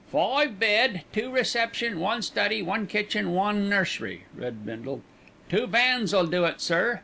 "'Five bed, two reception, one study, one kitchen, one nursery,'" read Bindle. "Two vans'll do it, sir.